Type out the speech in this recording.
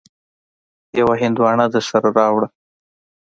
يوه هندواڼه درسره راوړه.